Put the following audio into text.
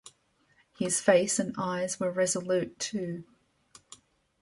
His face and eyes were resolute, too.